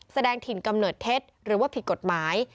แสดงถิ่นกำเนิดเท็จหรือว่าผิดกฎหมาย